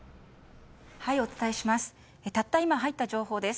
お伝えします。